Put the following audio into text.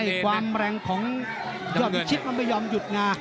ให้ความแรงของยอมคิดมันไม่ยอมหยุดงา